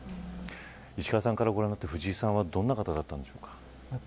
石川さんからご覧になって藤井さんはどんな方がでしたか。